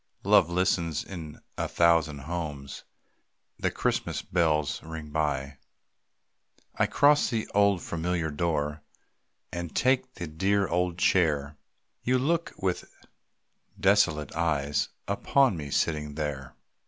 Love listens in a thousand homes, The Christmas bells ring by. I cross the old familiar door And take the dear old chair. You look with desolated eyes Upon me sitting there.